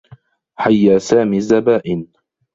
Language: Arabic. حيّا سامي الزّبائن.